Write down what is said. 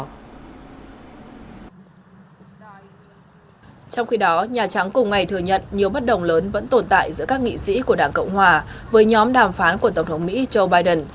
trong khi đó nhà trắng cùng ngày thừa nhận nhiều bất đồng lớn vẫn tồn tại giữa các nghị sĩ của đảng cộng hòa với nhóm đàm phán của tổng thống mỹ joe biden